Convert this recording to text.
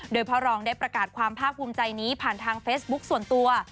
โดยพ่อรองได้ประกาศความภาคภูมิใจนี้ผ่านทางเฟซบุ๊คส่วนตัว